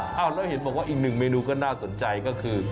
แล้วเห็นบอกว่าอีกหนึ่งเมนูก็น่าสนใจก็คือ